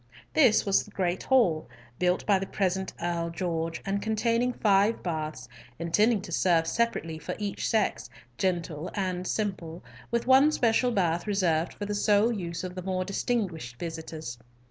This was the great hall, built by the present Earl George, and containing five baths, intended to serve separately for each sex, gentle and simple, with one special bath reserved for the sole use of the more distinguished visitors.